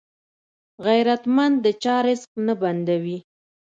غیرتمند د چا رزق نه بندوي